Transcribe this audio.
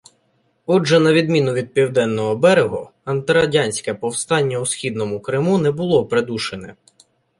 Отже, на відміну від Південного берегу, антирадянське повстання у Східному Криму не було придушене.